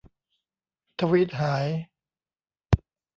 ทวีตหาย